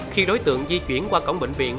khi đối tượng di chuyển qua cổng bệnh viện